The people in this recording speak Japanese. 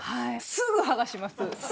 すぐはがします。